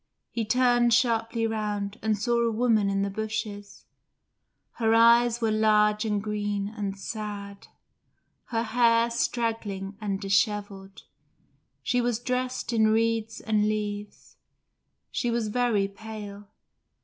He turned sharply round, and saw a woman in the bushes: her eyes were large and green and sad; her hair straggling and dishevelled; she was dressed in reeds and leaves; she was very pale.